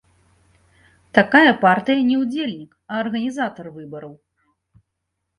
Такая партыя не ўдзельнік, а арганізатар выбараў.